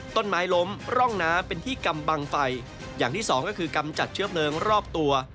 ต้นไม้ล้มร่องน้ำเป็นที่กำบังไฟอย่างที่สองก็คือกำจัดเชื้อเพลิงรอบตัว